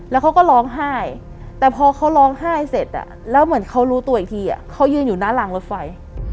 แล้วเขาก็ร้องไห้แต่พอเขาร้องไห้เสร็จแล้วเหมือนเขารู้ตัวอีกทีเขายืนอยู่หน้ารางรถไฟ